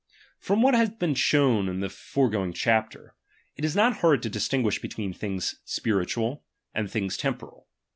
From what hath been said in the foregoing chapter, it is not hard to distinguish between things spiritual and temporal.